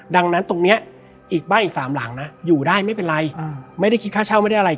ดังนั้นตรงนี้อีกบ้านอีก๓หลังนะอยู่ได้ไม่เป็นไรไม่ได้คิดค่าเช่าไม่ได้อะไร